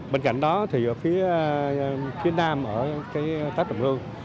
bên cạnh đó phía nam ở tát trọng hương